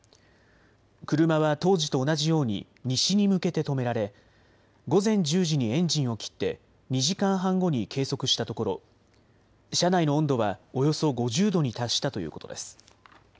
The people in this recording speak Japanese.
車は当時と同じように西に向けて止められ午前１０時にエンジンを切って２時間半後に計測したところ、車内の温度はおよそ５０度に達したということです。